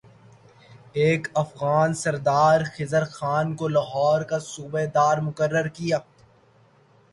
ایک افغان سردار خضر خان کو لاہور کا صوبہ دار مقرر کیا